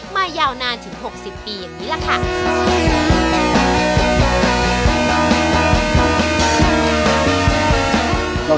ยาวนานถึง๖๐ปีอย่างนี้ล่ะค่ะ